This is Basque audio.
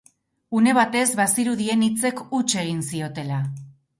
Une batez bazirudien hitzek huts egin ziotela.